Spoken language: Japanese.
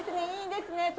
いいですね